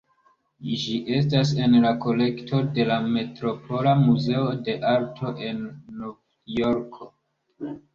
Ĝi estas en la kolekto de la Metropola Muzeo de Arto en Novjorko.